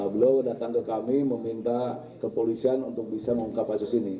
belum datang ke kami meminta kepolisian untuk bisa membahas